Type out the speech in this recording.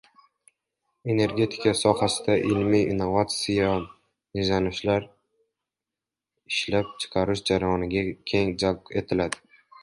Energetika sohasida ilmiy-innovatsion izlanishlar ishlab chiqarish jarayoniga keng jalb etiladi